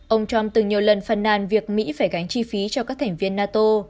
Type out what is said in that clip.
ông trump từng nhiều lần phàn nàn việc mỹ phải gánh chi phí cho các thành viên nato